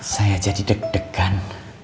saya jadi deg degan